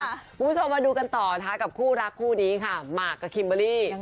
คุณผู้ชมมาดูกันต่อนะคะกับคู่รักคู่นี้ค่ะหมากกับคิมเบอร์รี่